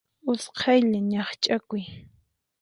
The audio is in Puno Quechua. Usqhaylla ñaqch'akuy.